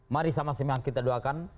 mari sama sama kita doakan